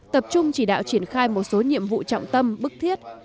tập trung chỉ đạo triển khai một số nhiệm vụ trọng tâm bức thiết